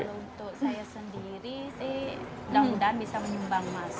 untuk saya sendiri sih mudah mudahan bisa menyumbang emas